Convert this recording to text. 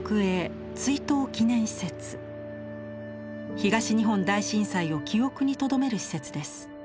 東日本大震災を記憶にとどめる施設です。